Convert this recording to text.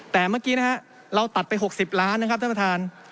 แต่เมื่อกี้นะฮะเราตัดไป๖๐ล้านนะครับท่านประธาน